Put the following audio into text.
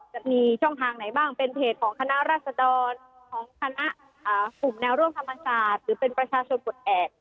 จะมีช่องทางไหนบ้างเป็นเพจของคณะรัฐศณบริษัทธาระจาชวนหมดแอบ